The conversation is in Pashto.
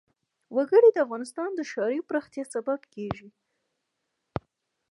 وګړي د افغانستان د ښاري پراختیا سبب کېږي.